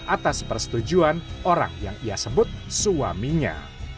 atas persetujuan orang yang ia sebut suaminya